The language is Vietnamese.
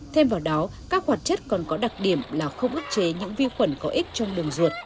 thêm vào đó các hoạt chất còn có đặc điểm là không ức chế những vi khuẩn có ích trong đường ruột